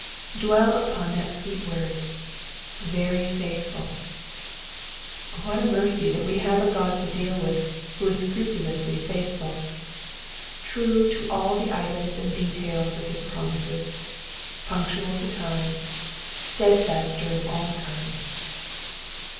Dwell upon that sweet word— ^' very faithful.''^ What a mercy that we have a 6(k1 to deal witfi who is scrupulously faithful, true to all the items and details of his promises, punctual to time, steadfast during all time.